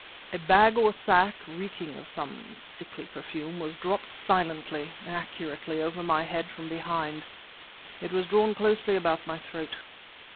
... A bag or sack, reeking of some sickly perfume, was dropped silently, accurately, over my head from behind; it was drawn closely about my throat.